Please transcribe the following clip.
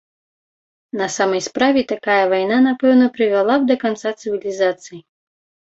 На самай справе, такая вайна, напэўна, прывяла б да канца цывілізацыі.